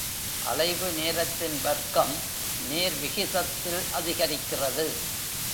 அலைவு நேரத்தின் வர்க்கம் நேர் விகிதத்தில் அதிகரிக்கிறது.